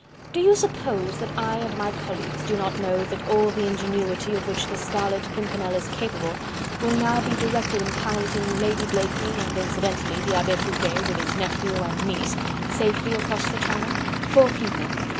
Do you suppose that I and my colleagues do not know that all the ingenuity of which the Scarlet Pimpernel is capable will now be directed in piloting Lady Blakeney, and incidentally the Abbe Foucquet with his nephew and niece, safely across the Channel! Four people!...